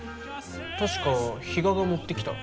確か比嘉が持ってきた。